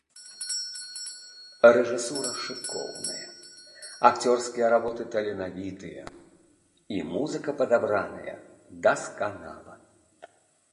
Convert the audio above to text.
Рэжысура шыкоўная, акцёрскія работы таленавітыя, і музыка падабраная дасканала.